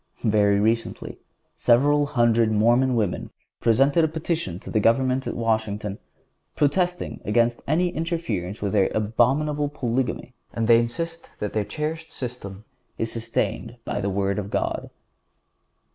Very recently several hundred Mormon women presented a petition to the government at Washington protesting against any interference with their abominable polygamy and they insist that their cherished system is sustained by the Word of God.